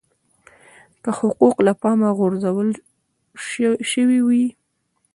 که حقوق له پامه غورځول شوي وي.